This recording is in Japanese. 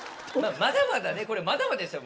まだまだねこれまだまだですよ。